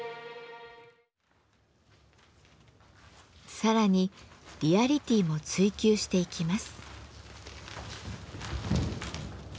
更にリアリティーも追求していきます。